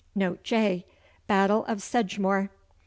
Note J. Battle of Sedgemoor.